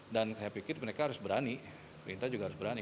dan saya pikir mereka harus berani pemerintah juga harus berani